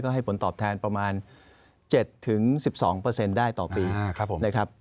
ให้ผลตอบแทนประมาณ๗๑๒ได้ต่อปีนะครับ